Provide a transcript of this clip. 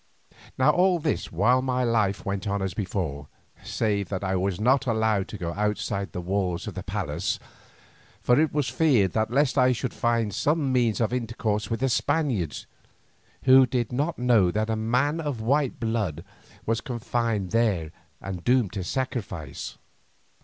Now all this while my life went on as before, save that I was not allowed to go outside the walls of the palace, for it was feared lest I should find some means of intercourse with the Spaniards, who did not know that a man of white blood was confined there and doomed to sacrifice.